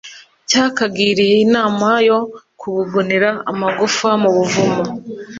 Cyakagiriye inama yo kugugunira amagufa mu buvumo